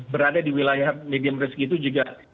berada di wilayah medium risk itu juga